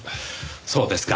そうですか。